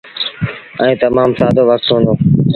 ائيٚݩ تمآم سآدو وکت هوئيٚتو۔